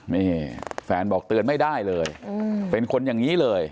นี่แฟนบอกเตือนไม่ได้เลยเป็นคนอย่างนี้เลย